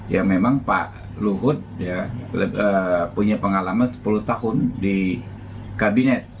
ya memang pak luhut punya pengalaman sepuluh tahun di kabinet